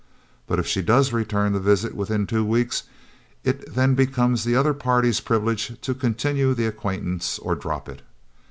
But if she does return the visit within two weeks, it then becomes the other party's privilege to continue the acquaintance or drop it.